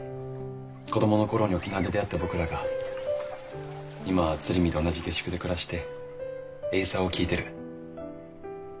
子供の頃に沖縄で出会った僕らが今は鶴見で同じ下宿で暮らしてエイサーを聴いてる。